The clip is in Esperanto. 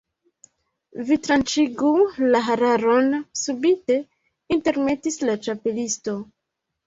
"Vi tranĉigu la hararon," subite intermetis la Ĉapelisto.